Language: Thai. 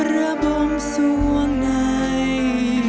ระบมส่วงใน